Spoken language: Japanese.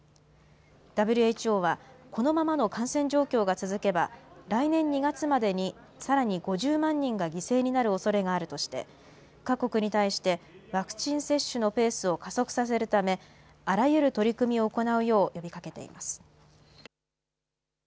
ＷＨＯは、このままの感染状況が続けば、来年２月までにさらに５０万人が犠牲になるおそれがあるとして、各国に対して、ワクチン接種のペースを加速させるため、あらゆる取り組みを行うよう呼びかけています。